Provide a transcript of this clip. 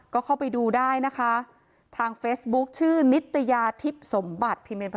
ก็เข้าไปดูได้นะคะ